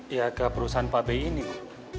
ya ke perusahaan pabrik ini bu